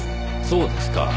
そうですか。